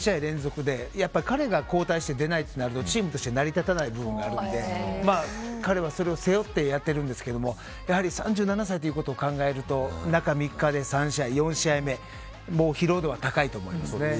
彼が交代して出ないとなるとチームとして成り立たない部分があるので彼はそれを背負ってやっているんですけどやはり３７歳ということを考えると中３日で３試合、４試合目は疲労度は高いと思いますね。